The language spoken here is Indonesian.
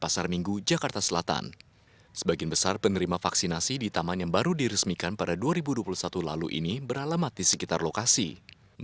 salah satu penerima booster mengatakan